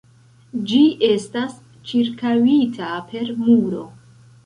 Ĝi estas ĉirkaŭita per muro.